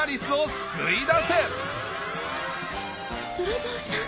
泥棒さん？